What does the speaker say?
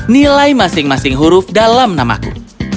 nilai masing masing huruf dalam namaku